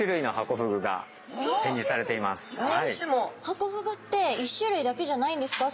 ハコフグって１種類だけじゃないんですか？